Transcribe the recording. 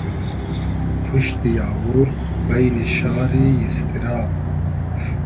پوشتی آوور بݷنی شاری ایستیرا